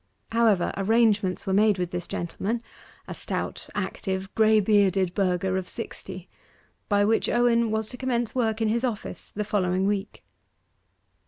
However, arrangements were made with this gentleman a stout, active, grey bearded burgher of sixty by which Owen was to commence work in his office the following week.